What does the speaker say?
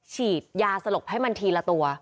ฉีดยาสลบให้มันทีละตัว